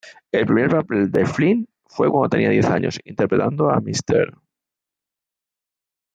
El primer papel de Flynn fue cuando tenía diez años, interpretando a Mr.